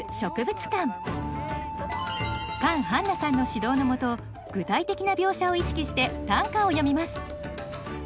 カン・ハンナさんの指導のもと具体的な描写を意識して短歌を詠みます